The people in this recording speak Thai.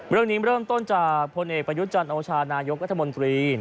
เรื่องนี้เริ่มต้นจากพลเอกประยุจันทร์โอชานายกรัฐมนตรี